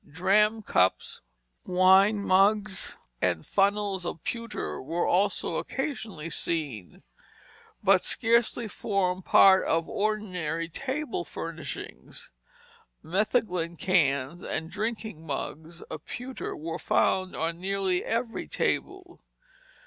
Dram cups, wine mugs, and funnels of pewter were also occasionally seen, but scarcely formed part of ordinary table furnishings. Metheglin cans and drinking mugs of pewter were found on nearly every table.